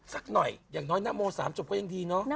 สักหน่อยอย่างน้อยนโม๓จบก็ยังดีเนาะ